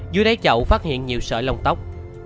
dưới đáy chậu phát hiện nhiều sợi lông tóc